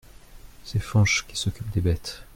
C’est Fañch qui s’occupe des bêtes.